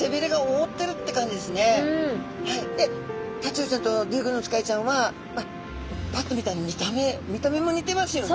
タチウオちゃんとリュウグウノツカイちゃんはパッと見たら見た目も似てますよね。